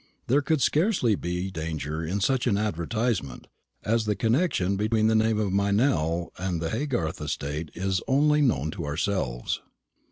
There could scarcely be danger in such an advertisement, as the connection between the name of Meynell and the Haygarth estate is only known to ourselves."